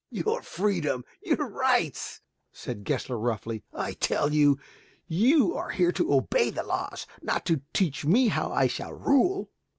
"Your freedom! your rights!" said Gessler roughly. "I tell you, you are here to obey the laws, not to teach me how I shall rule."